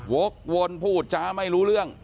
วกวนพูดจ้าไม่รู้เรื่อง